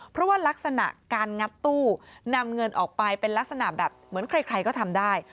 เพราะว่ารักษณะการงัดตู้นำเงินออกไปเป็นลักษณะแบบเหมือนใครก็ทำได้